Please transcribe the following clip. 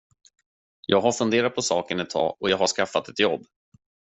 Jag har funderat på saken ett tag och jag har skaffat ett jobb.